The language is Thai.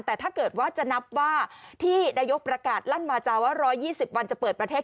แต่ถ้าเกิดว่าจะนับว่าที่นายกประกาศลั่นวาจาว่า๑๒๐วันจะเปิดประเทศ